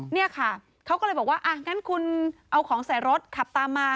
เนี่ยค่ะเขาก็เลยบอกว่าอ่ะงั้นคุณเอาของใส่รถขับตามมา